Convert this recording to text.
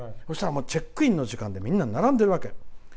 そしたらチェックインの時間でみんな並んでるわけ。